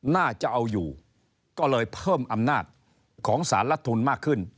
น่าจะเอาอยู่ก็เลยเพิ่มอำนาจของสารรัฐทุนมากขึ้น